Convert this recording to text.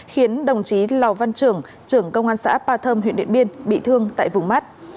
khiến đồng chí lò văn trưởng trưởng công an xã ba thơm huyện điện biên bị thương tại vùng mắt